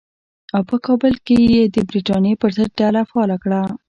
او په کابل کې یې د برټانیې پر ضد ډله فعاله کړه.